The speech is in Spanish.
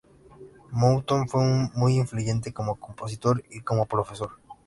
Mouton fue muy influyente como compositor y como profesor.